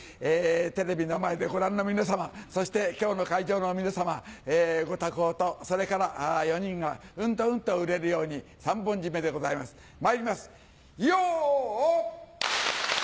テレビの前でご覧の皆さまそして今日の会場の皆さまご多幸とそれから４人がうんとうんと売れるように三本締めでございますまいります。よ！